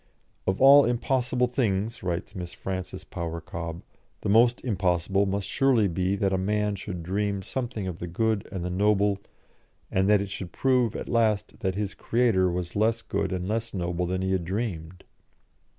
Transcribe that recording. "Of all impossible things," writes Miss Frances Power Cobbe, "the most impossible must surely be that a man should dream something of the good and the noble, and that it should prove at last that his Creator was less good and less noble than he had dreamed."